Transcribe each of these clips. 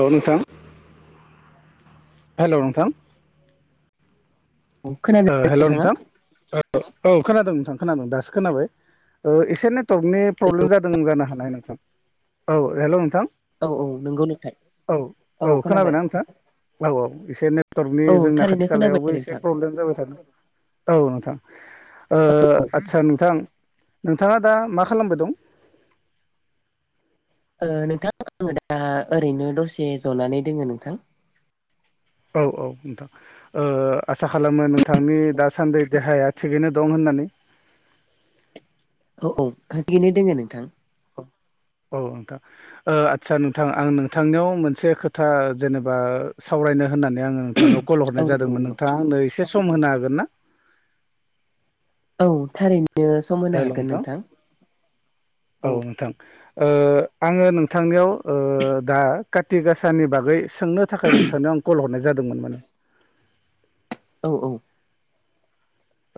औेल नोंथां हेल' नोंथां औ खोनादों ओ हेल' नोंथाङा नोंथां औ खोनादों नोंथां खोनादों दासो खोनाबाय एसे ने वरकनि प्रब्लेम जादों जानो हानाय नोंथां औ हेल' नोंथां औ औ नंगौ नोंथां औ औ खोनाबायना नोंथां औ औ एसे नेटवर्कनि औ जोंना थारैनो खाथि खोनाबाय खालायावबो एसे नोंथां प्रब्लेम जाबाय औ नोंथां ओ आचसा नोंथां नोंथाङा दा मा खालामबायदं ओ नोंथां आङो दा ओरैनो दसे जनानै दोङो नोंथां औ औ नोंथां ओ आसा खालामो नोंथांनि दासान्दि देहाया थिगैनो दं होननानै औ औ थिगैनो दोङ नोंथां औ औ नोंथां ओ आदसा नोंथां आं नोंथांनियाव मोनसे खोथा जेनेबा सावरायनो होननानै आङो नोंथांनाव कल औ हरनाय नंगौ जादोंमोन नंगौ नोंथाङानो एसे सम होनो हागोन ना? औ थारैनो सम होनो हागोन नोंथां औ थां ओ आङो नोंथांनियाव ओ दा काति गाासानि बागै सोंनो थाखाय नोंथांनो आं कल हरनाय जादोंमोन माने। औ औ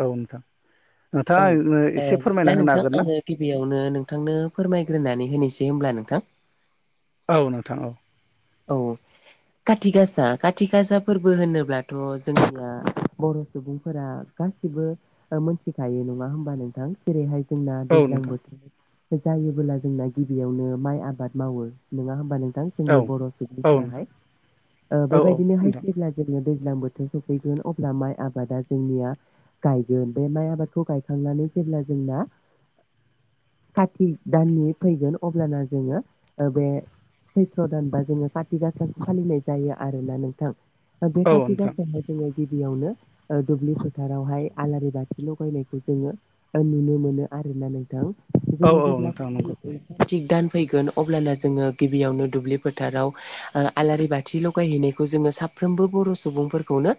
औ नोंथां औ ओ नोंथाङा एसे बिदिब्ला फोरमायना होनो नोंथां हागोन ना? आङो गिबियावनो नोंथांनो फोरमायग्रोनानै होनोसै होनब्ला नोंथां। औ नोंथां औ औ खाथि गासा खााथि गासा फोरबो होनोब्लाथ' जोंनिया बर' सुबुंफोरा गासिबो मोनथिखायो नङा होमबा नोंथां जेरैहाय जोंना औ दैज्लां नोंथां बोथोर जायोबोला जोंना गिबियावनो माइ आबाद मावो नङा होमबा नोंथां औ जोंनि बर'। औ बिफोराहाय नोंथां ओ औ औ बेबायदिनो हाय नोंथां अब्ला जोङो दैज्लां बोथोर सफैगोन अब्ला माइ आबादा जोंनिया। गायगोन बे माइ आबादखौ गायखांनानै जेब्ला जोंना कार्तिक दाननि फैगोन अब्लाना जोङो ओ बे सैत्र दानबा जोङो खााति गासा फालिनाय जायो आरोना नोंथां बे औ काति नोंथां गासाया जोङो गिबियावनो ओ दुब्लि फोथारावहाय आलारि बाथि लगायनायखौ जोङो। नुनो मोनो आरोना नोंथां औ जोङो जेब्ला नोंथां नंगौ फिओस तिक दान फैगोन अब्लानो जोङो गिबियावनो दुब्लि फोथाराव ओ आलारि बाथि लगायहैनायखौ जोङो साफ्रोमबो बर सुबुंफोरखौनो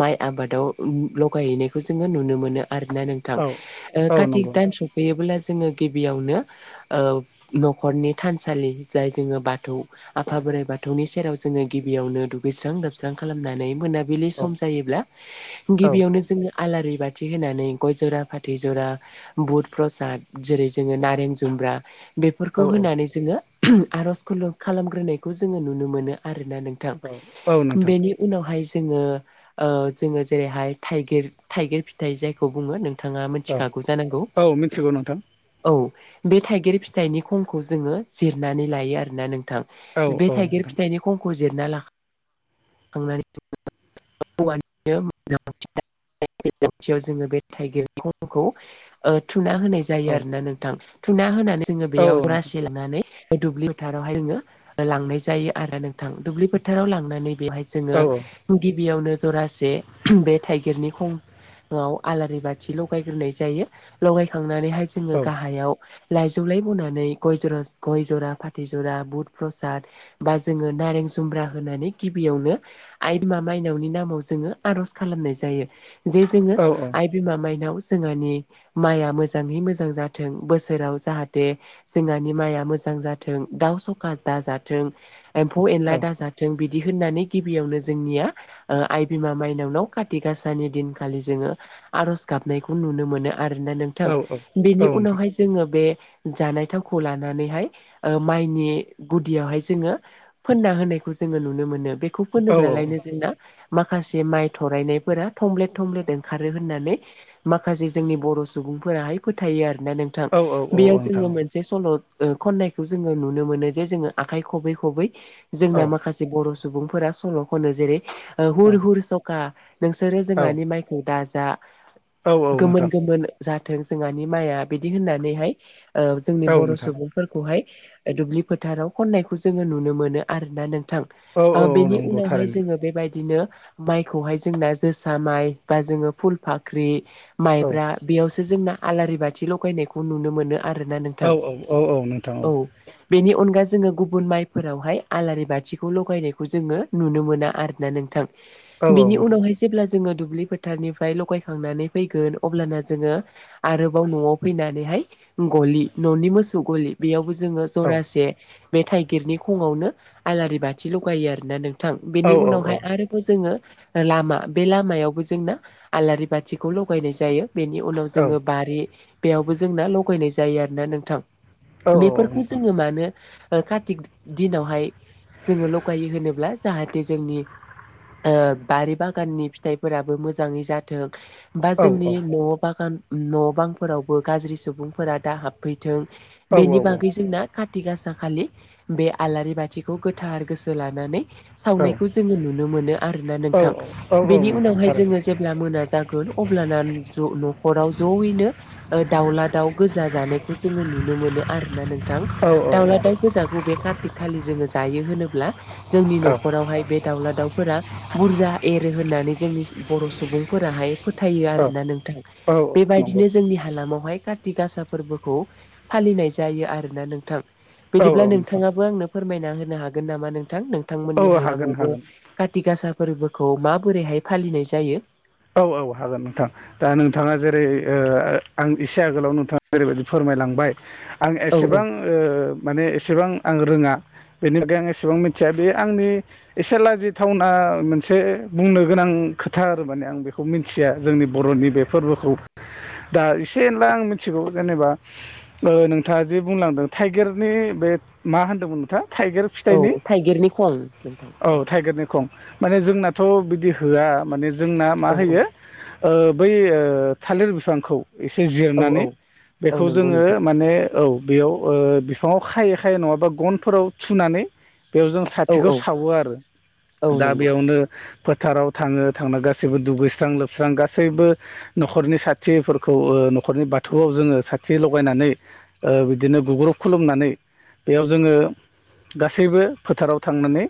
माइ आबादाव उम लगायहैनायखौ जोङो नुनो मोनो आरोना नोंथां औ औ कार्तिक नंगौ दान नोंथां स फैयोब्ला जोङो गिबियावनो ओ नखरनि थानसालि जाय जोङो बाथौ आफा बोराइ बाथौनि सेराव जोङो गिबियावनो दुगैस्रां लोबस्रां खालामनानै मोना बिलि औ सम जायोब्ला औ गिबियावनो जोङो। आलारि बाथि होनानै गय जरा फाथै जरा बुद प्रसाद जेरै जोङो नारें जुमब्रा। बेफोरखौ औ होनानै जोङो आरज खुलु खालामग्रोनायखौ जोङो नुनो मोनो आरोना नों थां औ औ नोंथां बेनि उनावहाय जोङो ओ जोङो जेरैहाय थाइगिर थाइगिर फिथाइ जायखौ बुङो नों नोंथाङा औ मिथिखागौ जानांगौ। औ मिथिगौ नोंथां औ बे थाइगिर फिथाइनि खंखौ जोङो जिरनानै लायो आरोना नोंथां। औ बे औ थाइगिर नोंथां फिथाइनि खंखौ जिरना ला खांनानै औवानि [unintelligible] जोङो बे थाइगिर खंखौ ओ थुना होनाय जायो औ आरो ना नोंथां थुना होनानै जोङो औ बेयाव नोंथां रासि लानानै। दुब्लि फोथाराव हाय नोङो लांनाय जायो आरो नोंथां दुब्लि फोथाराव लांनानै बेवहाय औ औ जोङो गिबियावनो जरासे बे थाइगिरनि खं लाव आलारि बाथि लगायग्रोनाय जायो लगायखांनानै हाय जोङो औ गाहायाव। लाइजौलाय बनानै गय जरा गय जरा फाथै जरा बुद प्रसाद बा जोङो नारें जुमब्रा होनानै गिबियावनो आइ मा माइनावनि नामाव जों आरज खालामनाय जायो जे जों औ आइ बिमा माइनाव जोंहानि माइया मोजाङै मोजां जाथों बोसोराव जाहाथे जोंहानि माइआ मोजां जाथों दाउ सखा दा जाथों एम्फौ एनला औ दा जाथों बिदि होननानै गिबियावनो जोंनिया आइ बिमा माइनावनाव काति गासानि दिनखालि जोङो आरज गाबनायखौ नुनो मोनो आरोना नोंथां औ बेनि औ उनाव नोंथां हाय जोङो बे जानाय थावखौ लानानैहाय माइनि गुदियाव हाय जोङो फोनना होनायखौ जोङो नुनो मोनो बेखौ औ औ फोनोब्लालायनो जोंना माखासे माइ थरायनायफोरा थमब्लेथ थमब्लेथ ओंखारो होननानै माखासे जोंनि बर सुबुंफोरा हाय फोथायो आरो ना नोंथां औ औ बेयाव नोंथां जोङो मोनस बे सल खननायखौ जोङो नुनो मोनो जे जोङो आखाइ खबै खबै औ जोंना माखासे बर सुबुंफोरा सल खनो जेरै हुर हुर सखा नोंसोरो औ जोंहानि माइ खौ दाजा औ औ नोंथां गोमोन गोमोन जाथों जोंहानि माइआ बिदि होननानैहाय जोंनि औ बर' नोंथां सुबुं फोरखौहाय दुब्लि फोथाराव खननायखौ जोङो नुनो मोनो आरोना नोंथां औ औ औ बेनि नंगौ उनावहाय थारैनो जोङो बेबायदिनो माइखौहाय जोंना जोसा माइ बा जोङो फुल फाख्रि औ माइब्रा बेयावसो जोंना आलारि बाथि लगायनायखौ नुनो मोनो आरोना औ नोंथां औ औ औ नोंथां औ बेनि अनगा जोङो गुबुन माइफोरावहाय आलारि बाथिखौ लगायनायखौ जोङो नुनो मोना आरो नोंथां औ औ बिनि नोंथां उनावहाय जेब्ला जोङो दुब्लि फोथारनिफ्राय लगायखांनानै फैगोन अब्लाना जोङो आरोबाव न'आव फैनानैहाय गलि न'नि मोसौ गलि बेयावबो जोङो जरासे बे थाइगिरनि खङावनो आलारि बाथि लगायो आरोना नों नोंथां औ बेनि उनाव आरोबाव जोङो लामा बे लामायावबो जोंना आलारि बाथिखौ लगायनाय जायो बेनि उनाव औ जोङो बारि बेयावबो जोंना लगायनाय जायो आरोोना नोंथां औ बेफोरखौ नोंथां जोङो मानो कार्तिक दिनावहाय जोङो लगायो होनोब्ला जाहाथे जोंनि बारि बागाननि फिथाइफोराबो मोजाङै जाथों बा औ जोंनि न' बागान न' बांफोरावबो गाज्रि सुबुंफोरा दा हाबफैथों औ बेनि बागै जोंना काति गासा खालि बे आलारि बाथिखौ गोथार गोसो लानानै सावनायखौ जोङो नुनो मोनो आरोना औ नोंथां औ औ बेनि नोंथां उनावहाय थारैनो जोङो जेब्ला मोना जागोन अब्लाना न'खराव जयैनो ओ दाउला दाउ गोजा जानायखौ जोङो नुनो मोनो आरो ना नोंथां औ दाउला दाउ गोजाखौ बे कार्तिक खालि जोङो जायो होनोब्ला जोंनि औ न'खरावहाय बे दाउला दाउफोरा बुरजा एरो होननानै जोंनि बर' सुबुंफोराहाय फोथायो औ आरोना नोंथां औ नंगौ बेबायदिनो जोंनि हालामावहाय कति गासा फोरबोखौ फालिनाय जायो आरोना नोंथां औ बिदिब्ला औ नोंथां नोंथाङाबो आंनो फोरमायना होनो हागोन नामा नोंथां औ नोंथांमोननि हागोन हालामावबो हागोन काथिि गासा फोरबोखौ माबोरैहाय फालिनाय जायो औ औ हागोन नोंथां दा नोंथाङा जेरै ओ आं इसे आगोलाव नोंथाङा जओेरैबायदि फोरमायलांबाय आं औ एसेबां माने एसेबां आं रोङा बेनि थाखाय आं एसेबां मिथिया बे आंनि एसे लाजिथावना मोनसे बुंनो गोनां खोथा आरो माने आं बेखौ मिथिया जोंनि बर'नि बे फोरबोखौ दा एसे होनला आं मिथिगौ जेनेबा नोंथाङा जि बुंलांदों टाइगेरनि बे मा होनदोंमोन नोंथाङा थाइगेर औ थाइगिरनि खं नोंथां औ थाइगिरनि खं माने जोंनाथ' बिदि होआ माने जोंना मा औ होयो औ ओ बै थालिर बिफांखौ एसे औ जिरनानै औ औ बेखौ नंगौ जोङो नोंथां माने औ बेयाव बिफाङाव खायै खायै नङाबा गनफोराव थुनानै बेयाव जों औ साथिखौ औ सावो आरो औ दा नंगौ बेयावनो फोथाराव थाङो थांना गासैबो दुगैस्रां लोबस्रां गासैबो न'खरनि साथिफोरखौ न'खरनि बाथौआव जोङो साथि लगायनानै बिदिनो गग्रुब खुलुमनानै बेयाव जोङो गासैबो फोथाराव थांनानै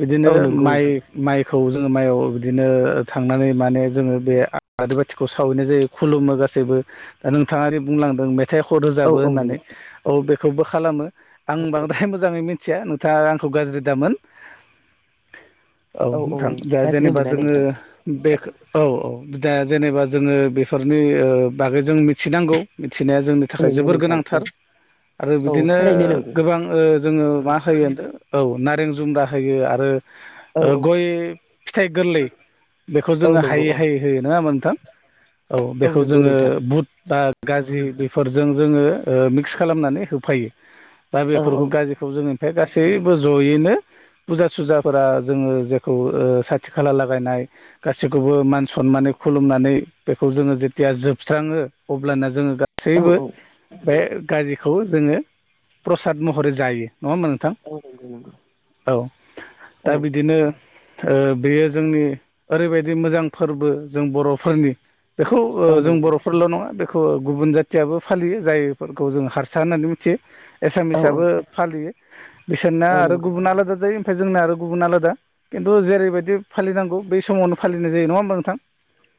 बिदिनो औ नंगौ माइ नोंथां माइखौ जोङो माइआव बिदिनो थांनानै माने जोङो बे आदिबाथिखौ सावहैनाय जायो खुलुमो गासैबो दा नोंथाङा ओरै बुंलांदों आखाइ हर औ होजाबो औ होननानै नंगौ औ बेखौबो खालामो आं बांद्राय मोजाङै मि खोथिया नोंथाङा आंखौ गाज्रि दामोन औ नोंथां दा गाज्रि जेनेबा मोना जोङो नोंथां बे औ औ दा जेनेबा जोङो बेफोरनि बागै जों मिथिनांगौ मिथिनाया जोंनि थाखाय नंगौ जोबोर नोंथां औ गोनांथार आरो औ बिदिनो थारैनो नंगौ गोबां जोङो मा होयो औ नारें जुम्रा होयो आरो औ औ गय फिथाइ गोरलै बेखौ औ जोङो नंगौ औ होयोना नङा होमबा नोंथां औ बेखौ नंगौ जोङो नोंथां बुद गाज्रि बेफोरजों जोङो मिक्स खालामनानै होफायो दा औ औ बेफोरखौ गाज्रि खौ जोङो ओमफ्राय गासैबो जयैनो फुजा सुजाफोरा जोङो जेखौ साथि खाला लागायनाय गाै इसोरखौबो मान सनमानै खुलुमनानै बेखौ जोङो जेथिया जोबस्राङो अब्लाना जोङो औ गासैबो औ बे गाज्रिखौ जोङो प्रसाद महरै जायो नङा होमबा नोंथां औ नंगौ नंगौ औ दा औ बिदिनो बेयो जोंनि ओरैबायदि मोजां फोरबो जों बर'फोरनि बेखौ औ जों नंगौ बर'फोरल' नङा बेखौ गुबुन जाथियाबो फालियो जायफोरखौ जों हारसा होननानै मिथियो औ औ एसामिसआबो फालियो बिसोरना औ आरो नंगौ गुबुन आलादा जायो ओमफ्राय जोंना आरो गुबुन आलादा खिन्थु जेरैबायदि फालिनांगौ बै समावनो फालिनाय जायो नङा होमबा नोंथां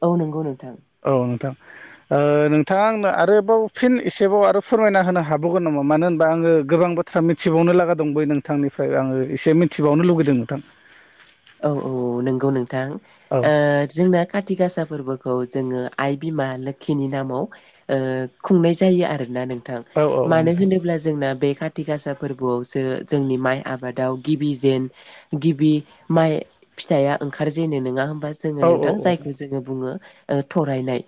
औ नंगौ नोंथां औ नोंथां नोंथाङा आंनो आरोबाव फिन एसेबाव आरो फोरमायना होनो हाबावगोन नामा मानो होनबा आङो गोबां बोथोर मिथिबावनो लागा दं बै नोंथांनिफ्राय आङो एसे मिथिबावनो लुगैदों नोंथां औ औ नंगौ नोंथां औ जोंना खाथि गासा फोरबोखौ जोङो आइ बिमा लोखिनि नामाव खुंनाय जायो आरोना नोंथां औ औ मानो नोंथां होनोब्ला जोंना बे खााथि गासा फोरबोआवसो जोंनि माइ आबादाव गिबि जेन गिबि माइ फिथाइा ओंखारजेनो नङा होमबा जोङो औ नोंथां जायखौ जोङो बुङो थरायनाय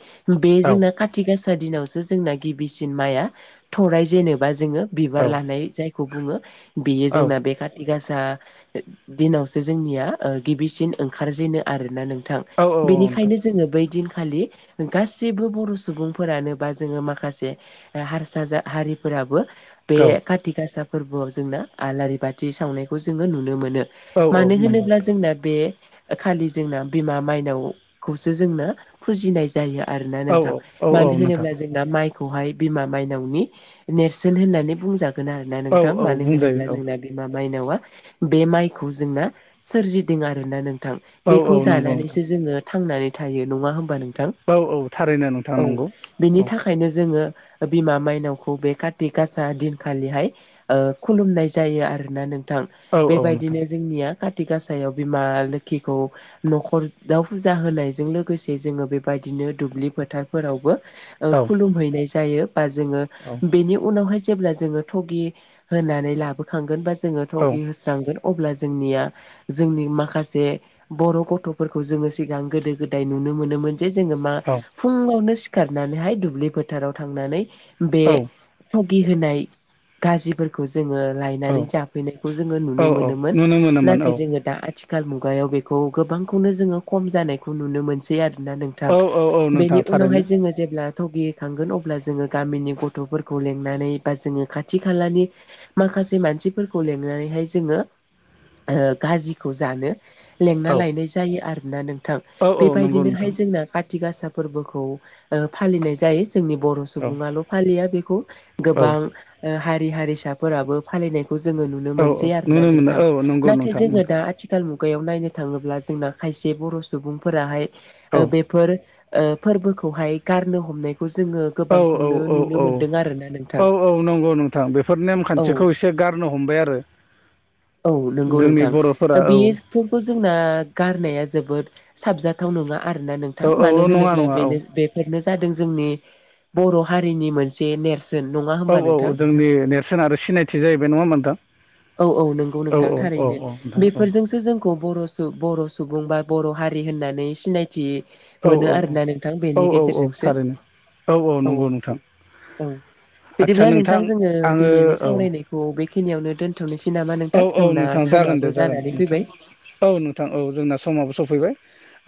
बे औ औ जोंना खा खाथिगासा दिनावसो जोंना गिबिसिन माइआ थराय जेनेबा जोङो औ बिबार लानाय जाय खौ बुङो बेयो औ जोंना बे खाथि गासा दिनावसो जोंनिया गिबिसिन ओंखारजेनो आरोना नोंथां औ नोंथां औ बेनिखायनो जोङो बै दिन खालि गासैबो बर' सुबुंफोरानो बा जोङो माखासे ओ हारसा जा हारिफोराबो बे काति गासा फोरबोआव जोंना आलारि बाथि सावनायखौ जोङो नुनो मोनो। औ नंगौ औ मानो होनोब्ला जोंना बे खालि जोंना बिमा मायनाव खौसो जोंना फुजिनाय जायो आरोना नोंथां। औ मानो नोंथां होनोब्ला जों दा माइखौहाय बिमा मायनावनि नेरसोन होननानै बुंजा गोन आरो ना औ नोंथां। औ मानो बुंजायो होनोब्ला जोंना बिमा मायनावा बे माइखौ जोंना सोरजिदों आरोना नों थां औ औ औ बेखौ नंगौ नोंथां जानानैसो जोङो थांनानै थायो नङा होमबा नोंथां? औ - औ थारैनो नोंथां नंगौ औ। खायनो जोङो बिमा माइनावखौ बे काति गासा दिनखालिहाय ओ खुलुमनाय जायो आरोना नोंथां। ‌ औ औ नोंथां बेबायदिनो जोंनिया काति गासायाव बिमा लोखिखौ न'खर दाव फुजा होनायजों लोगोसे जोङो बेबायदिनो दुब्लि फोथारफोरावबो ओ औ खुलुमहैनाय जायो बा जोङो औ बेनि उनावहाय जेब्ला जोङो थगि होनानै लाबोखांगोन बा जोङो औ थगि होस्रांगोन अब्ला जोंनिया जोंनि माखासे बर' गथ'फोरखौ जोङो सिगां गोदो गोदाय नुनो मोनोमोन। जे जोङो मा फुङावनो सिखारनानैहाय दुब्लि फोथाराव थांनानै बे औ थगि होनाय गाजिफोरखौ जोङो औ लायनानै जाफैनायखौ जोङो औ नुनो मोनोमोन। नुनो मोनोमोन औ नाथाय जोङो दा आथिखाल मुगायाव बेखौ गोबांखौनो जोङो खम जानायखौ नुनो मोनसै आरोना नों थां औ औ औ नोंथां बेनि थारैनो उनावहाय जोङो जेब्ला थगि होखांगोन अब्ला जोङो गामिनि गथ'फोरखौ लेंंनानै बा जोङो खाथि खालानि माखासे मानसिफोरखौ लिंनानैहाय जोङो ओ गाजिखौ जानो लेंना औ लायनाय जायो आरोना नों थां औ औ नंगौ बेबायदिनोहाय नोंथां जोंना काति गासा फोरबोखौ ओ फालिनाय जायो जोंनि बर' औ सुबुङाल' फालिया बेखौ औ गोबां ओ हारि हारिसाफोराबो फालिनाय जोङो नुनो औ मोनसै आरोना नुनो मोनो नोंथां औ नंगौ नाथाय नोंथां जोङो नोंथां दा आथि खाल मुगायाव नायनो थाङोब्ला जोंना खायसे बर' सुबुंफोराहाय ओ औ बे बफोर फोरबोखौहाय गारनो हमनायखौ जोङो गोबांखौनो नुनो मोनदों आरोना नोंथां औ-औ-औ-औ-औ-औ नंगौ नोंथां बेफोर औ नेमखान्थिखौ सो गारनो हमबाय आरो। औ नंगौ जोंनि नोंथां बर'फोरा औ बेयो बेफोरखौ जोंना गारनाया जोबोद साबजाथाव नङा आरोना नों औ थां औ औ मानो नङा होनोब्ला नङा औ बेनो बेफोरनो जादों जोंनि बर' हारिनि मोनसे नेर सोन नङा होमबा औ-औ नोंथां जोंनि नेरसोन आरो सिनायथि जाहैबाय नङा नोंथां। औ औ नंगौ औ नोंथां औ औ थारैनो औ नोंथां बेफोरजों सो जोंखौ बर' सु बर' सुबुं बा बर' हारि होननानै सिनायथि औ मोनो औ आरो ना नोंथां औ बेनि औ औ गेजेरजोंसो थारैनो औ। औ आदसा बिदिब्ला नोंथां जोङो आङो दिनैनि औ सावरायनायखो खौ बेखिनियावनो दोनथ'नोसै नामा औ नोंथां। औ जोंना नोंथां जागोन समाबो दे जागोन जानानै नोंथां फैबाय औ नोंथां औ जोंना समाबो सफैबाय।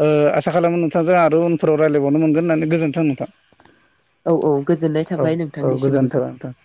ओ आसा खालामो नोंथांजों आरो उनफोराव रायज्लायबावनो मोनगोन होन्नानै गोजोन्थों नोंथां। औ औ गोजोननाय थाबाय औ-औ नोंथांनिसिमबो गोजोनथों नोंथां।